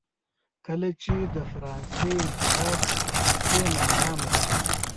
کله چې د فرانسې انقلاب کوڅې نا ارامه کړې.